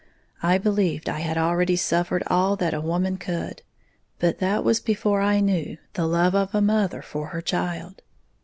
I believed I had already suffered all that a woman could; but that was before I knew the love of a mother for her child.